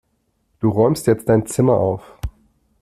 Du räumst jetzt dein Zimmer auf!